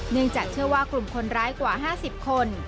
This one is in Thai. จากเชื่อว่ากลุ่มคนร้ายกว่า๕๐คน